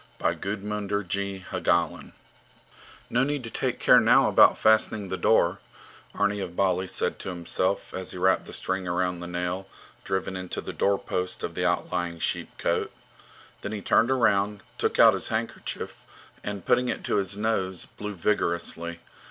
GUDMUNDUR G. HAGALIN THE FOX SKIN No need to take care now about fastening the door, Arni of Bali said to himself as he wrapped the string around the nail driven into the door post of the outlying sheepcote. Then he turned around, took out his handkerchief, and, putting it to his nose, blew vigorously.